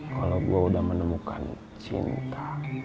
kalau gue udah menemukan cinta